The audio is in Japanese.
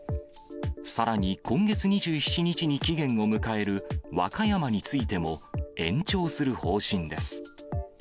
さらに、今月２７日に期限を迎える和歌山についても、延長する方針です。